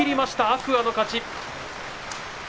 天空海の勝ち。